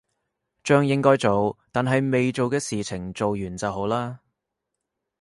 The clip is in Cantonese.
將應該做但係未做嘅事情做完就好啦